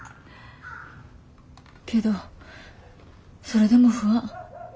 けどそれでも不安。